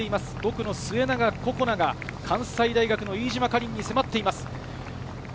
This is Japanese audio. ５区の末永恋菜が関西大学の飯島果琳に迫っています。